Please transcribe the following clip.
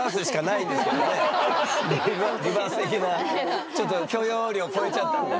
リバース的なやつってちょっと許容量超えちゃったんだ。